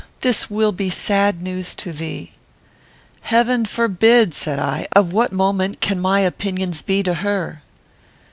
This will be sad news to thee!" "Heaven forbid!" said I; "of what moment can my opinions be to her?"